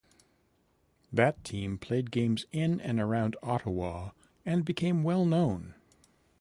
That team played games in and around Ottawa and became well known.